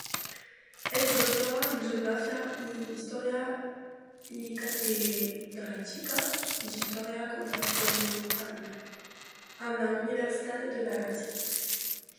És doctora en Geografia i Història i catedràtica d'Història Contemporània en la Universitat de València.